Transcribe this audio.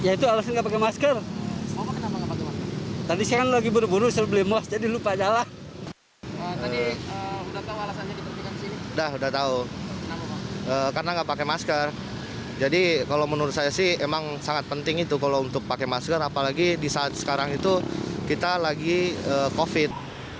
kita tidak memakai masker jadi menurut saya memang sangat penting untuk memakai masker apalagi saat sekarang kita lagi covid